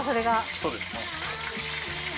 そうですね。